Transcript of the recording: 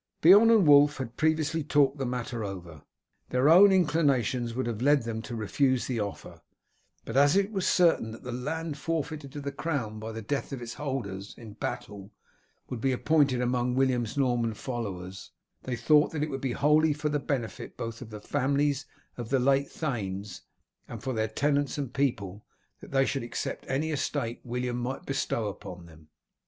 Beorn and Wulf had previously talked the matter over. Their own inclinations would have led them to refuse the offer, but as it was certain that all the land forfeited to the crown by the death of its holders in battle would be apportioned among William's Norman followers, they thought that it would be wholly for the benefit both of the families of the late thanes and for their tenants and people that they should accept any estate William might bestow on them.